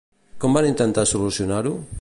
Com van intentar solucionar-ho?